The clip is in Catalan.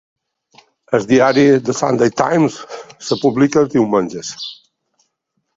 El diari "The Sunday Times" es publica els diumenges.